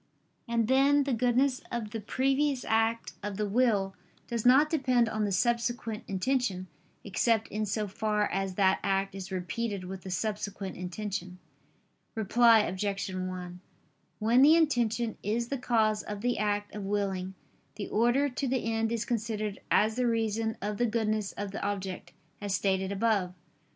And then the goodness of the previous act of the will does not depend on the subsequent intention, except in so far as that act is repeated with the subsequent intention. Reply Obj. 1: When the intention is the cause of the act of willing, the order to the end is considered as the reason of the goodness of the object, as stated above.